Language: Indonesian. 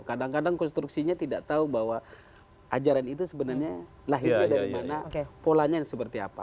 kadang kadang konstruksinya tidak tahu bahwa ajaran itu sebenarnya lahirnya dari mana polanya seperti apa